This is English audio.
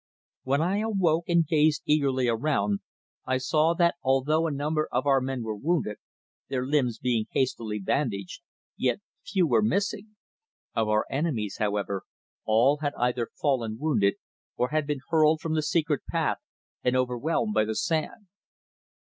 When I awoke and gazed eagerly around, I saw that although a number of our men were wounded, their limbs being hastily bandaged, yet few were missing. Of our enemies, however, all had either fallen wounded, or had been hurled from the secret path and overwhelmed by the sand.